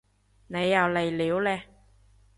你又嚟料嘞